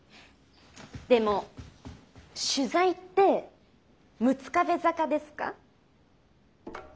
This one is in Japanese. でも取材って「六壁坂」ですか？